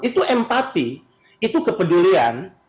itu empati itu kepedulian